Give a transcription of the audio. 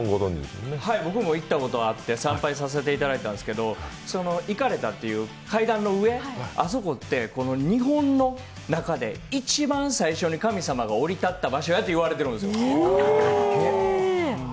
僕も行ったことがあって参拝させていただいたんですけど行かれた階段の上って日本の中で一番最初に神様が降り立った場所やと言われてるんですよ。